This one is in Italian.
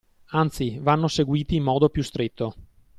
Anzi vanno seguiti in modo più stretto